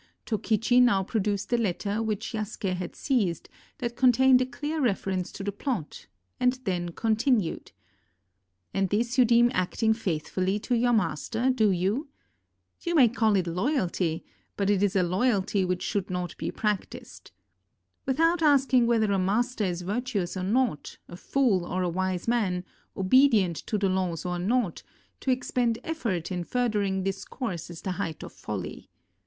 Tokichi now produced a letter, which Yasuke had seized, that contained a clear reference to the plot, and then continued: "And this you deem acting faithfully to your master, do you? You may call it loyalty, but it is a loyalty which should not be practiced. Without asking whether a master is virtuous or not, a fool or a wise man, obedient to the laws or not, to expend effort in furthering this course is the height of folly.